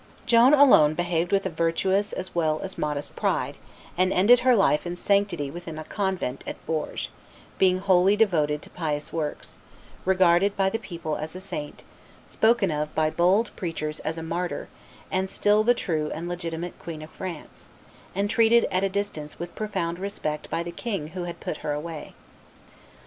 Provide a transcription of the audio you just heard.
Joan alone behaved with a virtuous as well as modest pride, and ended her life in sanctity within a convent at Bourges, being wholly devoted to pious works, regarded by the people as a saint, spoken of by bold preachers as a martyr, and "still the true and legitimate Queen of France," and treated at a distance with profound respect by the king who had put her away.